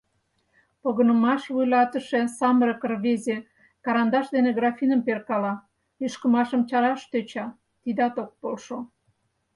Погынымаш вуйлатыше, самырык рвезе, карандаш дене графиным перкала, лӱшкымашым чараш тӧча, тидат ок полшо.